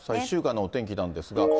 １週間のお天気なんですが。